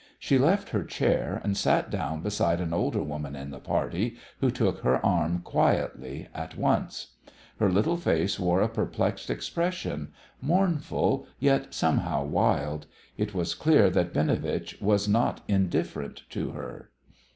She left her chair and sat down beside an older woman in the party, who took her arm quietly at once. Her little face wore a perplexed expression, mournful, yet somehow wild. It was clear that Binovitch was not indifferent to her.